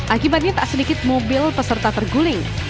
akibatnya tak sedikit mobil peserta terguling